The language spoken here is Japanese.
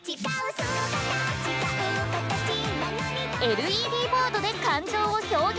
ＬＥＤボードで感情を表現。